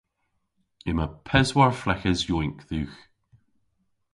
Yma peswar fleghes yowynk dhywgh.